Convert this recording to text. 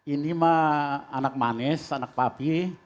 ini mah anak manis anak papi